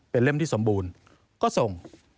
เป็นเล่มที่สมบูรณ์